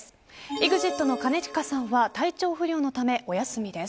ＥＸＩＴの兼近さんは体調不良のため、お休みです。